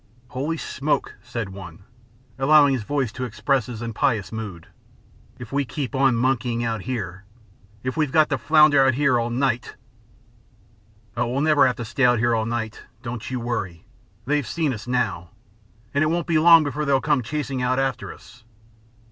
"Holy smoke!" said one, allowing his voice to express his impious mood, "if we keep on monkeying out here! If we've got to flounder out here all night!" "Oh, we'll never have to stay here all night! Don't you worry. They've seen us now, and it won't be long before they'll come chasing out after us."